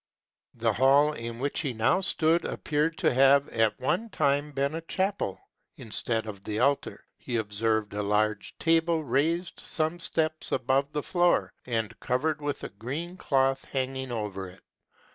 The hall in which he now stood appeared to have at one time been a chapel : instead of the altar, he observed a large table raised some steps above the floor, and covered with a green cloth hanging over it.